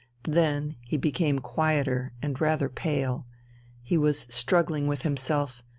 Then he became quieter and rather pale. He was struggling with himself....